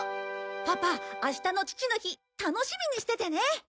パパ明日の父の日楽しみにしててね！